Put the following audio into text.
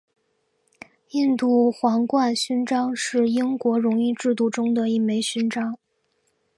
印度皇冠勋章是英国荣誉制度中的一枚勋章。